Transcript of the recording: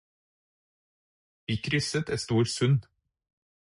Vi krysset et stort sund.